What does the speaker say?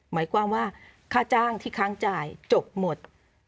หมายความว่าค่าจ้างที่ค้างจ่ายจบหมด